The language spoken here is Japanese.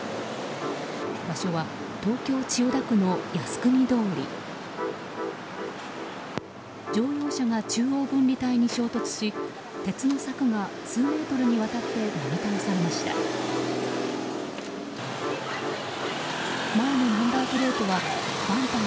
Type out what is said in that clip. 場所は東京・千代田区の靖国通り。乗用車が中央分離帯に衝突し鉄の柵が数メートルにわたってなぎ倒されました。